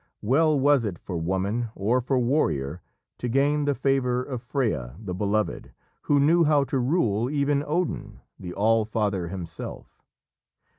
Well was it for woman or for warrior to gain the favour of Freya, the Beloved, who knew how to rule even Odin, the All Father, himself.